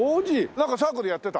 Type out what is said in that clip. なんかサークルやってた？